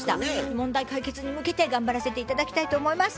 問題解決に向けて頑張らせて頂きたいと思います。